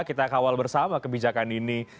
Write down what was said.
kita kawal bersama kebijakan ini